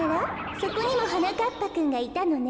そこにもはなかっぱくんがいたのね。